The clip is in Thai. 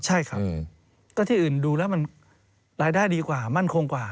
ใช่ครับก็ที่อื่นดูแล้วมันรายได้ดีกว่ามั่นคงกว่า